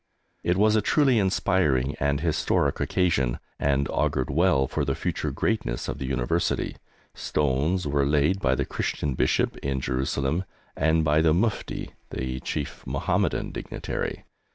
It was a truly inspiring and historic occasion, and augured well for the future greatness of the University. Stones were laid by the Christian Bishop in Jerusalem and by the Mufti (the Chief Mohammedan dignitary).